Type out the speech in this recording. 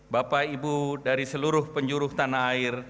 bapak ibu dari seluruh penjuru tanah air